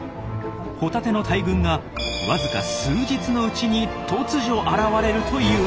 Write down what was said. ホタテの大群がわずか数日のうちに突如現れるというんです。